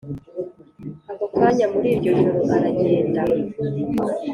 Ako kanya muri iryo joro aragenda